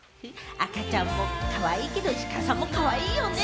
赤ちゃんもかわいいけれども石川さんもかわいいよね。